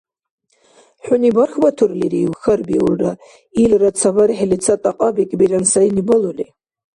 — ХӀуни бархьбатурлирив? — хьарбиулра, илра ца бархӀили ца тӀакьа бекӀбиран сайни балули.